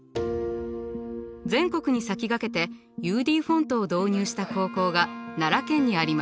全国に先駆けてＵＤフォントを導入した高校が奈良県にあります。